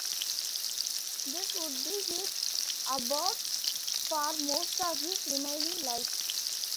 This would be his abode for most of his remaining life.